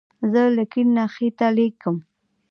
زه له کیڼ نه ښي ته لیکم.